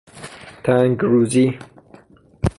تنگروزی